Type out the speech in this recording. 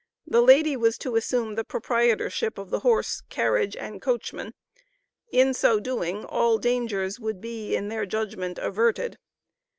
The lady was to assume the proprietorship of the horse, carriage and coachman. In so doing all dangers would be, in their judgment, averted.